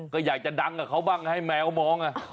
ก็อยากจะดังกับเขาบ้างให้แมวมอง